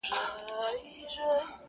هسي نه چي په شرابو اموخته سم,